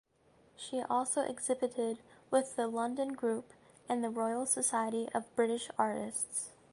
She also exhibited with the London Group and the Royal Society of British Artists.